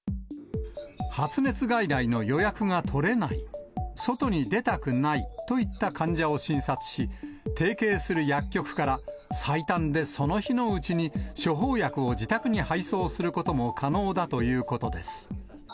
発熱外来の予約が取れない、外に出たくないといった患者を診察し、提携する薬局から最短でその日のうちに、処方薬を自宅に配送することも可能だということです。